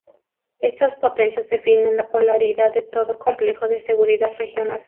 Estas potencias definen la polaridad de todo complejo de seguridad regional.